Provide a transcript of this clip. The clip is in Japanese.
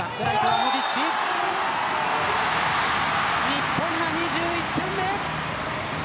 日本が２１点目。